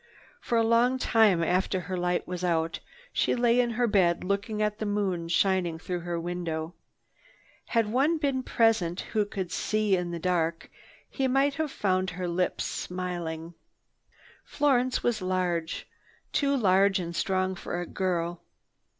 For a long time after her light was out, she lay in her bed looking at the moon shining through her window. Had one been present who could see in the dark, he might have found her lips smiling. Florence was large, too large and strong for a girl.